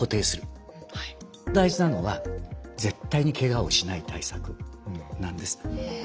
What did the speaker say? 大事なのは絶対にケガをしない対策なんです。